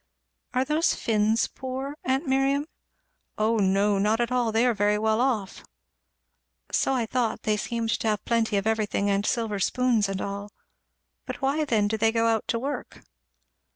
"Are those Finns poor, aunt Miriam?" "O no not at all they are very well off." "So I thought they seemed to have plenty of everything, and silver spoons and all. But why then do they go out to work?"